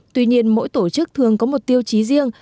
tuy nhiên mỗi tổ chức thường có một tiêu chí riêng